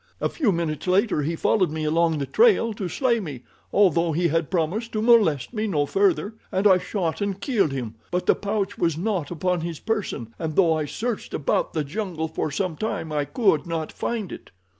A few minutes later he followed me along the trail to slay me, although he had promised to molest me no further, and I shot and killed him; but the pouch was not upon his person and though I searched about the jungle for some time I could not find it."